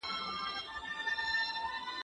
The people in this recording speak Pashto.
زه به اوږده موده موبایل کار کړی وم؟!